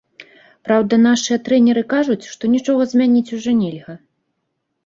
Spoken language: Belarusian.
Праўда, нашыя трэнеры кажуць, што нічога змяніць ужо нельга.